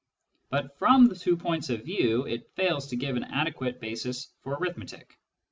But from two points of view it fails to give an adequate basis for arithmetic.